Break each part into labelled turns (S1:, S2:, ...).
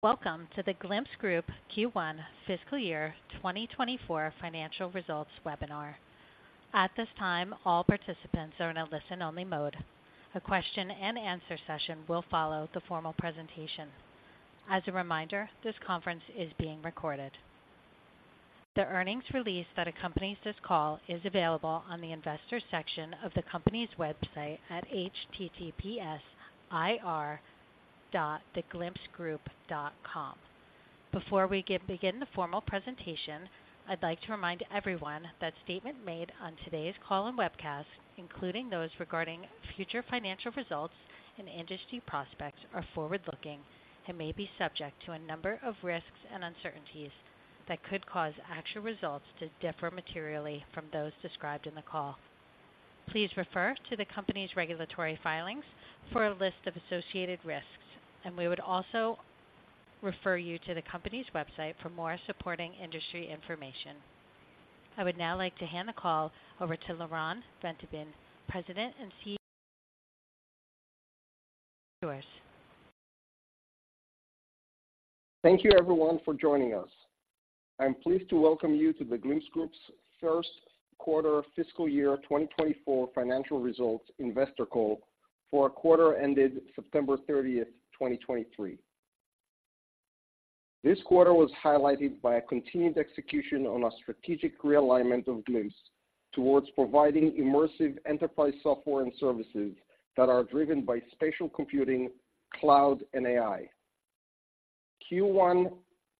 S1: Welcome to The Glimpse Group Q1 Fiscal Year 2024 financial results webinar. At this time, all participants are in a listen-only mode. A question and answer session will follow the formal presentation. As a reminder, this conference is being recorded. The earnings release that accompanies this call is available on the investor section of the company's website at https://ir.theglimpsegroup.com. Before we begin the formal presentation, I'd like to remind everyone that statements made on today's call and webcast, including those regarding future financial results and industry prospects, are forward-looking and may be subject to a number of risks and uncertainties that could cause actual results to differ materially from those described in the call. Please refer to the company's regulatory filings for a list of associated risks, and we would also refer you to the company's website for more supporting industry information. I would now like to hand the call over to Lyron Bentovim, President and CEO. Yours.
S2: Thank you everyone for joining us. I'm pleased to welcome you to the Glimpse Group's Q1 fiscal year 2024 financial results investor call for our quarter ended 30 September 2023. This quarter was highlighted by a continued execution on our strategic realignment of Glimpse towards providing immersive enterprise software and services that are driven by spatial computing, cloud, and AI. Q1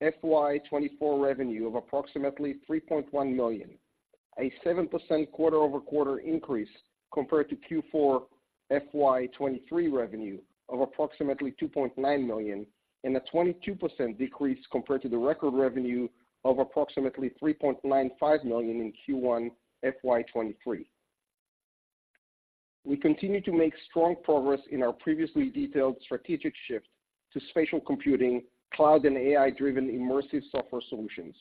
S2: FY 2024 revenue of approximately $3.1 million, a 7% quarter-over-quarter increase compared to Q4 FY 2023 revenue of approximately $2.9 million, and a 22% decrease compared to the record revenue of approximately $3.95 million in Q1 FY 2023. We continue to make strong progress in our previously detailed strategic shift to spatial computing, cloud, and AI-driven immersive software solutions.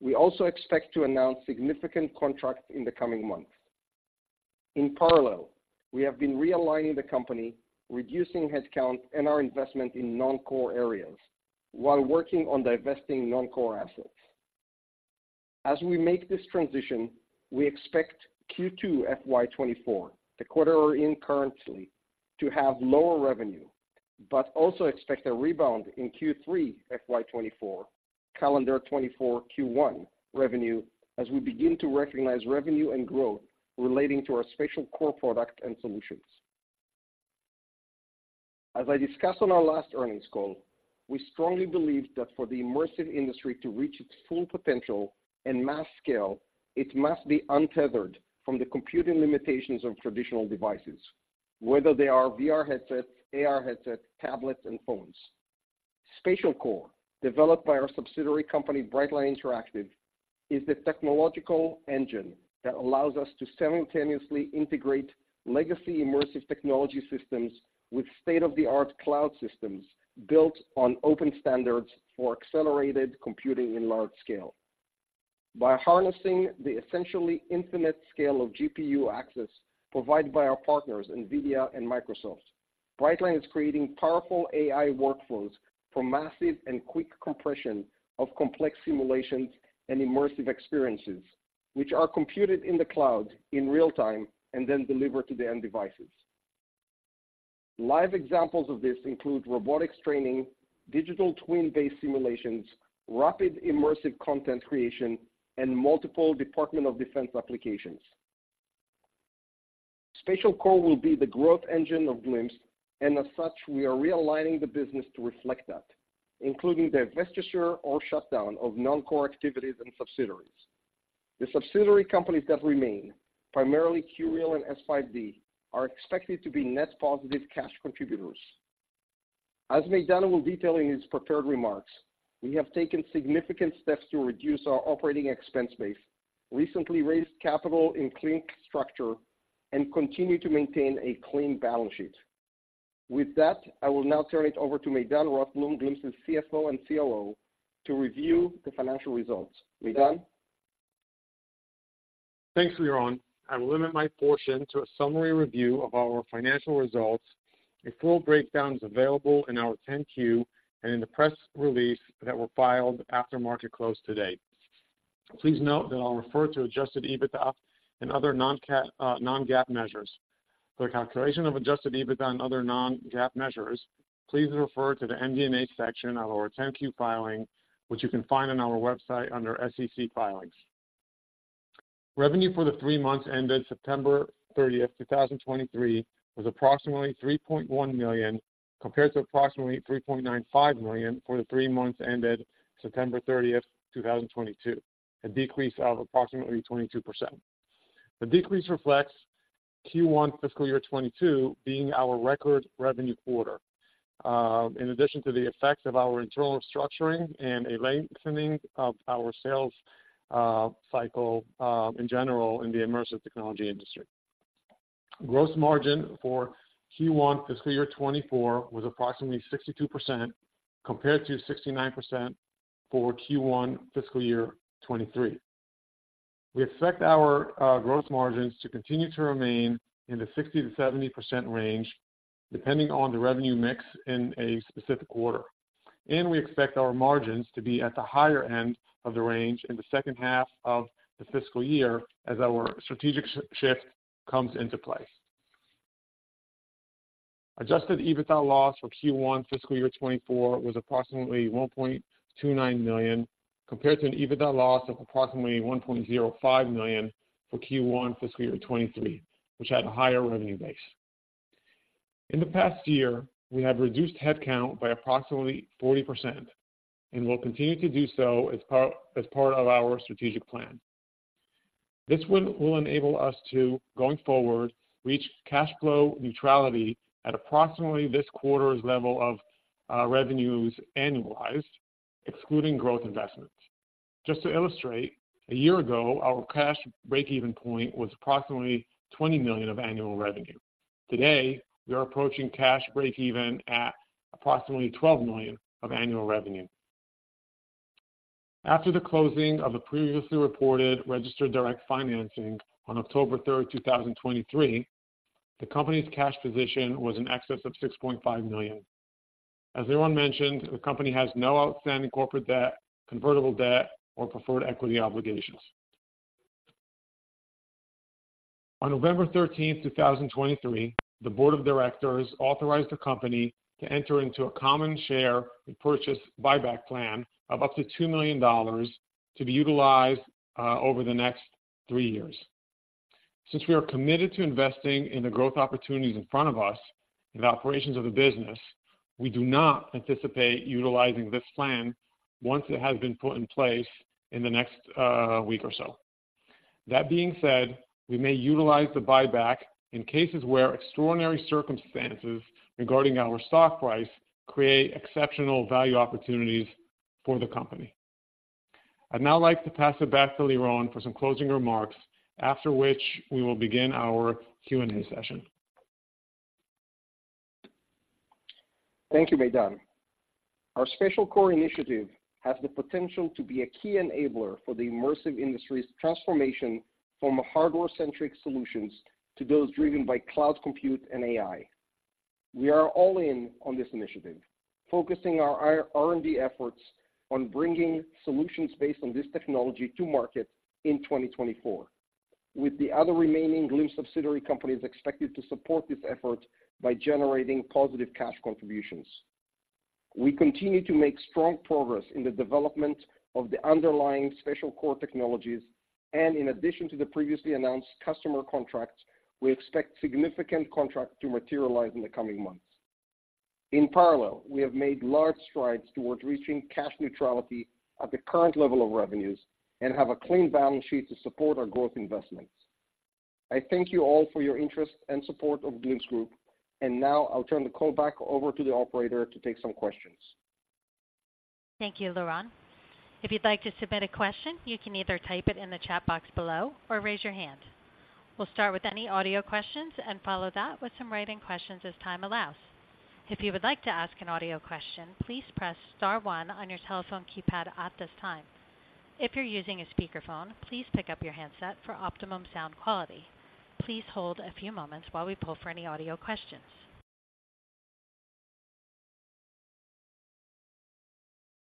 S2: We also expect to announce significant contracts in the coming months. In parallel, we have been realigning the company, reducing headcount and our investment in non-core areas while working on divesting non-core assets. As we make this transition, we expect Q2 FY 2024, the quarter we're in currently, to have lower revenue, but also expect a rebound in Q3 FY 2024, calendar 2024 Q1 revenue as we begin to recognize revenue and growth relating to our Spatial Core product and solutions. As I discussed on our last earnings call, we strongly believe that for the immersive industry to reach its full potential and mass scale, it must be untethered from the computing limitations of traditional devices, whether they are VR headsets, AR headsets, tablets, and phones. Spatial Core, developed by our subsidiary company, Brightline Interactive, is the technological engine that allows us to simultaneously integrate legacy immersive technology systems with state-of-the-art cloud systems built on open standards for accelerated computing in large scale. By harnessing the essentially infinite scale of GPU access provided by our partners, NVIDIA and Microsoft, Brightline is creating powerful AI workflows for massive and quick compression of complex simulations and immersive experiences, which are computed in the cloud in real time and then delivered to the end devices. Live examples of this include robotics training, digital twin-based simulations, rapid immersive content creation, and multiple Department of Defense applications. Spatial Core will be the growth engine of Glimpse, and as such, we are realigning the business to reflect that, including the divestiture or shutdown of non-core activities and subsidiaries. The subsidiary companies that remain, primarily QReal and S5D, are expected to be net positive cash contributors. As Maydan will detail in his prepared remarks, we have taken significant steps to reduce our operating expense base, recently raised capital in clean structure and continue to maintain a clean balance sheet. With that, I will now turn it over to Maydan Rothblum, Glimpse's CFO and COO, to review the financial results. Maydan?
S3: Thanks, Lyron. I will limit my portion to a summary review of our financial results. A full breakdown is available in our 10-Q and in the press release that were filed after market close today. Please note that I'll refer to Adjusted EBITDA and other non-GAAP measures. For the calculation of Adjusted EBITDA and other non-GAAP measures, please refer to the MD&A section of our 10-Q filing, which you can find on our website under SEC Filings. Revenue for the three months ended 30 September 2023, was approximately $3.1 million, compared to approximately $3.95 million for the three months ended 30 September 2022, a decrease of approximately 22%. The decrease reflects Q1 fiscal year 2022 being our record revenue quarter, in addition to the effects of our internal structuring and a lengthening of our sales cycle, in general, in the immersive technology industry. Gross margin for Q1 fiscal year 2024 was approximately 62%, compared to 69% for Q1 fiscal year 2023. We expect our gross margins to continue to remain in the 60%-70% range, depending on the revenue mix in a specific quarter. We expect our margins to be at the higher end of the range in the second half of the fiscal year as our strategic shift comes into play. Adjusted EBITDA loss for Q1 fiscal year 2024 was approximately $1.29 million, compared to an EBITDA loss of approximately $1.05 million for Q1 fiscal year 2023, which had a higher revenue base. In the past year, we have reduced headcount by approximately 40% and will continue to do so as part of our strategic plan. This will enable us to, going forward, reach cash flow neutrality at approximately this quarter's level of revenues annualized, excluding growth investments. Just to illustrate, a year ago, our cash breakeven point was approximately $20 million of annual revenue. Today, we are approaching cash breakeven at approximately $12 million of annual revenue. After the closing of the previously reported registered direct financing on 3 October 2023, the company's cash position was in excess of $6.5 million. As Lyron mentioned, the company has no outstanding corporate debt, convertible debt, or preferred equity obligations. On 13 November 2023, the board of directors authorized the company to enter into a common share purchase buyback plan of up to $2 million to be utilized over the next three years. Since we are committed to investing in the growth opportunities in front of us and operations of the business, we do not anticipate utilizing this plan once it has been put in place in the next week or so. That being said, we may utilize the buyback in cases where extraordinary circumstances regarding our stock price create exceptional value opportunities for the company. I'd now like to pass it back to Lyron for some closing remarks, after which we will begin our Q&A session.
S2: Thank you, Maydan. Our Spatial Core initiative has the potential to be a key enabler for the immersive industry's transformation from hardware-centric solutions to those driven by cloud compute and AI. We are all in on this initiative, focusing our R&D efforts on bringing solutions based on this technology to market in 2024, with the other remaining Glimpse subsidiary companies expected to support this effort by generating positive cash contributions. We continue to make strong progress in the development of the underlying Spatial Core technologies, and in addition to the previously announced customer contracts, we expect significant contracts to materialize in the coming months. In parallel, we have made large strides towards reaching cash neutrality at the current level of revenues and have a clean balance sheet to support our growth investments.I thank you all for your interest and support of Glimpse Group, and now I'll turn the call back over to the operator to take some questions.
S1: Thank you, Lyron. If you'd like to submit a question, you can either type it in the chat box below or raise your hand. We'll start with any audio questions and follow that with some write-in questions as time allows. If you would like to ask an audio question, please press star one on your telephone keypad at this time. If you're using a speakerphone, please pick up your handset for optimum sound quality. Please hold a few moments while we pull for any audio questions.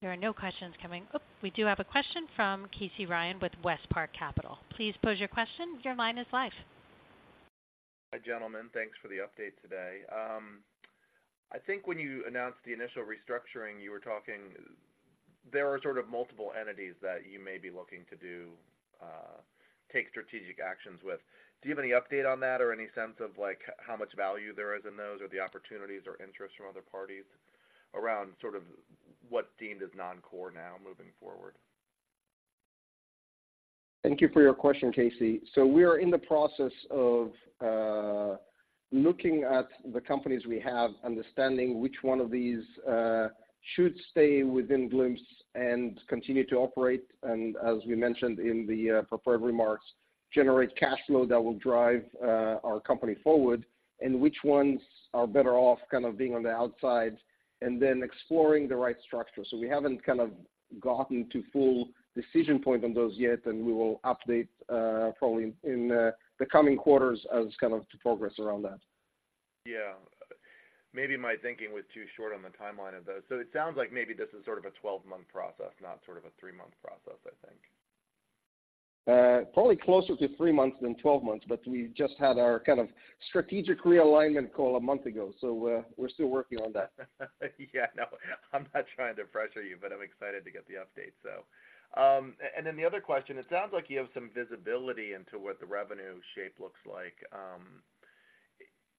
S1: There are no questions coming. Oh, we do have a question from Casey Ryan with WestPark Capital. Please pose your question. Your line is live.
S4: Hi, gentlemen. Thanks for the update today. I think when you announced the initial restructuring, you were talking, there are sort of multiple entities that you may be looking to do, take strategic actions with. Do you have any update on that or any sense of like, how much value there is in those, or the opportunities or interest from other parties around sort of what's deemed as non-core now moving forward?
S2: Thank you for your question, Casey. So we are in the process of looking at the companies we have, understanding which one of these should stay within Glimpse and continue to operate, and as we mentioned in the prepared remarks, generate cash flow that will drive our company forward, and which ones are better off kind of being on the outside and then exploring the right structure. So we haven't kind of gotten to full decision point on those yet, and we will update probably in the coming quarters as kind of to progress around that.
S5: Yeah. Maybe my thinking was too short on the timeline of those so it sounds like maybe this is sort of a 12-month process, not sort of a 3-month process, I think.
S2: Probably closer to three months than 12 months, but we just had our kind of strategic realignment call a month ago, so, we're still working on that.
S5: Yeah, no, I'm not trying to pressure you, but I'm excited to get the update. Then the other question, it sounds like you have some visibility into what the revenue shape looks like.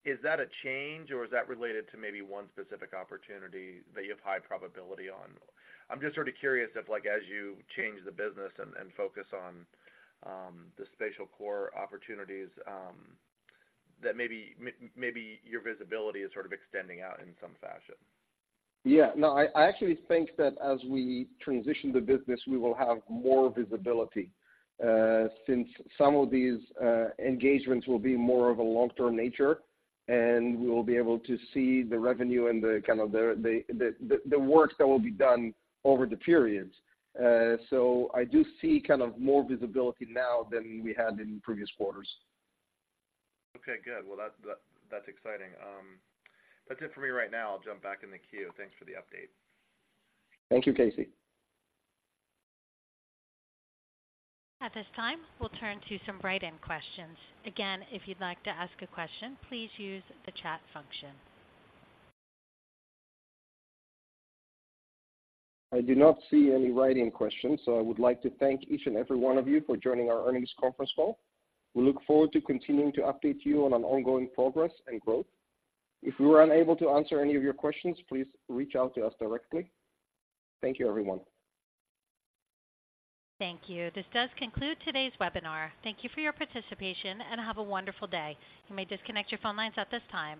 S5: Is that a change, or is that related to maybe one specific opportunity that you have high probability on? I'm just sort of curious if, like, as you change the business and focus on the Spatial Core opportunities, that maybe your visibility is sort of extending out in some fashion.
S2: Yeah. No, I actually think that as we transition the business, we will have more visibility, since some of these engagements will be more of a long-term nature, and we will be able to see the revenue and the kind of the work that will be done over the period. I do see kind of more visibility now than we had in previous quarters.
S5: Okay, good. Well, that's exciting. That's it for me right now. I'll jump back in the queue. Thanks for the update.
S2: Thank you, Casey.
S1: At this time, we'll turn to some write-in questions. Again, if you'd like to ask a question, please use the chat function.
S2: I do not see any write-in questions, so I would like to thank each and every one of you for joining our earnings conference call. We look forward to continuing to update you on our ongoing progress and growth. If we were unable to answer any of your questions, please reach out to us directly. Thank you, everyone.
S1: Thank you. This does conclude today's webinar. Thank you for your participation, and have a wonderful day. You may disconnect your phone lines at this time.